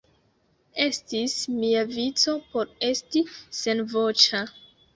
Estis mia vico por esti senvoĉa.